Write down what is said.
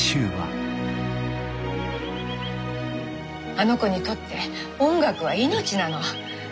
あの子にとって音楽は命なの。